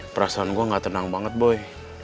perasaan gue gak tenang banget boy